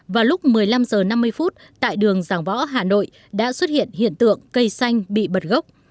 vào lúc một mươi năm h năm mươi tại đường giảng võ hà nội đã xuất hiện hiện tượng cây xanh bị bật gốc